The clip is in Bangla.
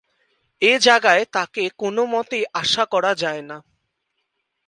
এ-জায়গায় তাঁকে কোনোমতেই আশা করা যায় না।